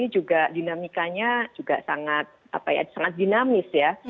ini juga dinamikanya juga sangat dinamis ya